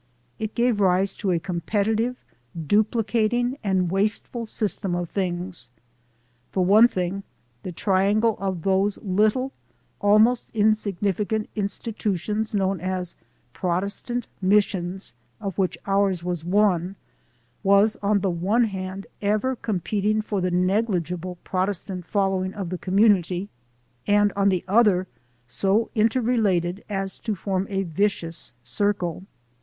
It gave rise to a competitive, dupli cating and wasteful system of things. For one thing, the triangle of those little, almost insignificant institutions known as "Protestant Missions," of which ours was one, was on the one hand ever com peting for the negligible Protestant following of the community, and, on the other, so inter related as to form a vicious circle.